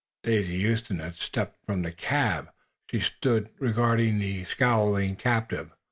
Daisy Huston had stepped from the cab. She stood regarding the scowling captive.